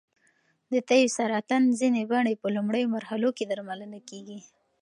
د تیو سرطان ځینې بڼې په لومړیو مرحلو کې درملنه کېږي.